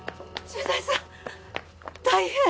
大変！